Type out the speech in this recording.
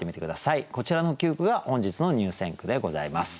こちらの９句が本日の入選句でございます。